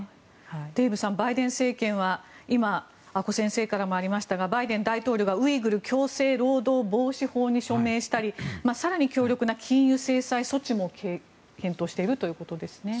デーブさんバイデン政権は今、阿古先生からもありましたがバイデン大統領がウイグル強制労働防止法に署名したり更に強力な金融制裁措置も検討しているということですね。